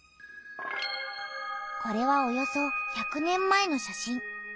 これはおよそ１００年前の写真。